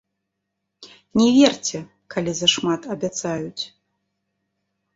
Не верце, калі зашмат абяцаюць!